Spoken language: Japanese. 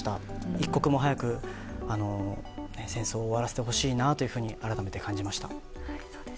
一刻も早く戦争を終わらせてほしいなと改めて感じました。